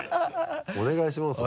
お願いしますよ。